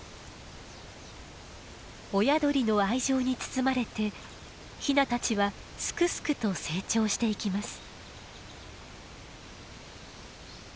親鳥の愛情に包まれてヒナたちはすくすくと成長していきます。